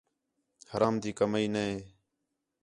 حرام تی کمائی نے